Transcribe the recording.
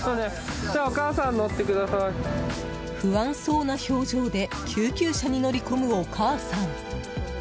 不安そうな表情で救急車に乗り込む、お母さん。